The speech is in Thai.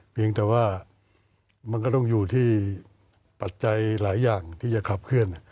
เพียงแต่ว่ามันก็ต้องอยู่ที่ปัจจัยหลายอย่างที่จะขับเคลื่อน